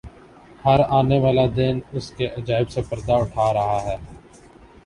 ہر آنے والا دن اس کے عجائب سے پردہ اٹھا رہا ہے۔